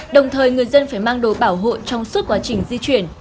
đồng thời người dân phải mang đồ bảo hộ trong suốt quá trình di chuyển